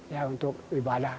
ya untuk ibadah